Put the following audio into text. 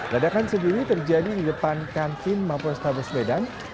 ledakan sendiri terjadi di depan kantin mapol estabes medan